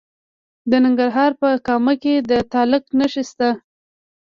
د ننګرهار په کامه کې د تالک نښې شته.